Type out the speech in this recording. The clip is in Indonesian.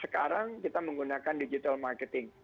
sekarang kita menggunakan digital marketing